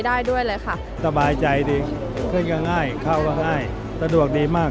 โปรดติดตามต่อไป